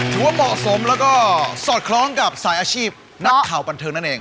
ว่าเหมาะสมแล้วก็สอดคล้องกับสายอาชีพนักข่าวบันเทิงนั่นเอง